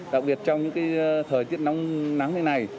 đặc biệt trong những cái thời tiết nóng nắng như này